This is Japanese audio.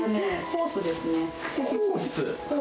ホース。